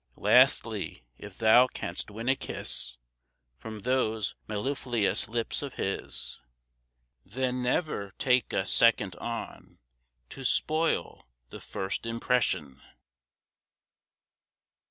Lastly, if thou canst win a kiss From those mellifluous lips of His, Then never take a second on, To spoil the first impression.